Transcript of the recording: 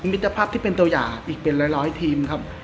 มิตรภาพที่เป็นตัวอย่างอีกเป็นร้อยทีมครับ